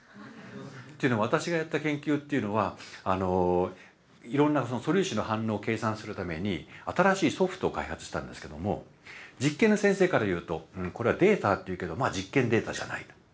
というのは私がやった研究っていうのはいろんな素粒子の反応を計算するために新しいソフトを開発したんですけども実験の先生から言うと「これはデータって言うけどまあ実験データじゃない」。